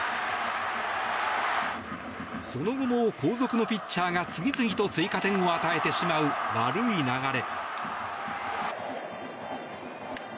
その後も後続のピッチャーが次々と追加点を与えてしまう悪い流れ。